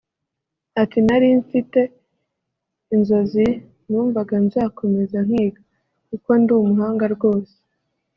Ati “Nari mfite inzozi numvaga nzakomeza nkiga kuko ndi umuhanga rwose